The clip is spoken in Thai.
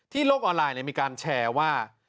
โลกออนไลน์มีการแชร์ว่า